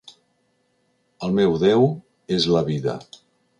El meu déu és la vida.